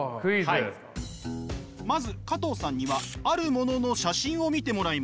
まず加藤さんにはあるものの写真を見てもらいます。